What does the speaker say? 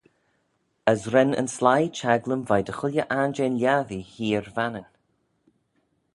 As ren yn sleih çhaglym veih dy chooilley ayrn jeh lhiattee heear Vannin.